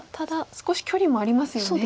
少し距離もありますよね。